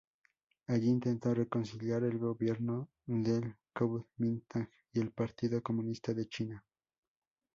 Allí, intentó reconciliar al gobierno del Kuomintang y el Partido Comunista de China.